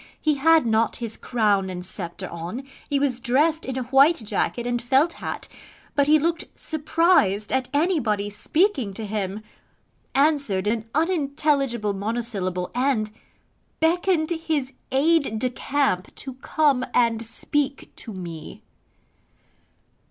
He had not his crown and sceptre on: he was dressed in a white jacket and felt hat: but he looked surprised at anybody speaking to him: answered an unintelligible monosyllable, and BECKONED HIS AID DE CAMP TO COME AND SPEAK TO ME.